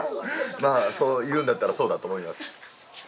まあそう言うんだったらそうだと思います。